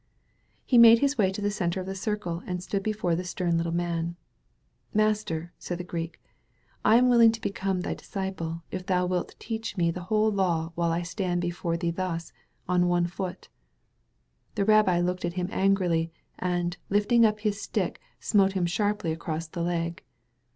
He made his way to the centre of the circle and stood before the stem little man. ^'Master, said the Greek, ''I am willing to be come thy disciple if thou wilt teach me the whole law while I stand before thee thus — on one foot.'* The rabbi looked at him angrily, and, lifting up his stick, smote him sharply across the leg.